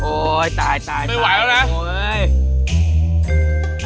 ตายตายไม่ไหวแล้วนะ